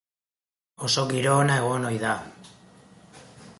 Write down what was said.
Oso giro ona egon ohi da.